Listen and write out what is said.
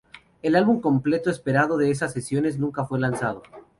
El álbum completo esperado de esas sesiones nunca fue lanzado.